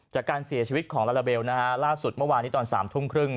จากการเสียชีวิตของลาลาเบลนะฮะล่าสุดเมื่อวานนี้ตอน๓ทุ่มครึ่ง